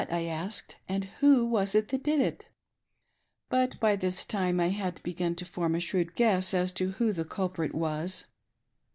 I asked, " and who was it that did it ?" But by this time I had begun to form a shrewd 'guess as to who the culprit was.